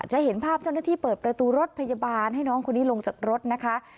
จะเห็นภาพเจ้าหน้าที่เปิดประตูรถพยาบาลให้น้องคนนี้ลงจากรถนะคะ